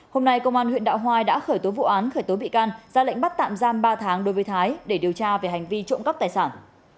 hôm nay công an huyện đạo hoai đã khởi tố vụ án khởi tố bị can ra lệnh bắt tạm giam ba tháng đối với thái để điều tra về hành vi trộm cắp tài sản